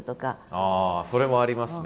あそれもありますね。